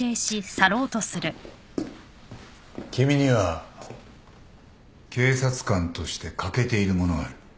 君には警察官として欠けているものがある。